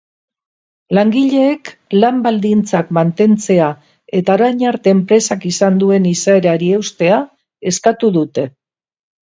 Langileek lan-baldintzak mantentzea eta orain arte enpresak izan duen izaerari eustea eskatu dute.